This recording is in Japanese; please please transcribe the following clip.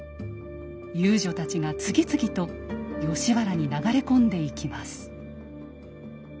遊女たちが次々と吉原に流れ込んでいきます。